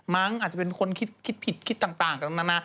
มั้งอาจจะเป็นคนคิดผิดคิดต่างกันนะ